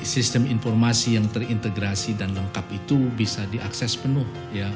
sistem informasi yang terintegrasi dan lengkap itu bisa diakses penuh